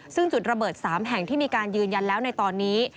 ซึ่งจุดระเบิด๓แห่งที่มีการยืนยันแล้วในตอนนี้